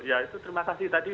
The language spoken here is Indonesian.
ya itu terima kasih tadi